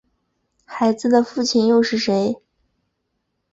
孩子的父亲又是谁？